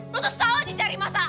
lo tuh salah aja cari masalah